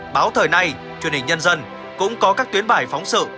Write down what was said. báo thời nay truyền hình nhân dân cũng có các tuyến bài phóng sự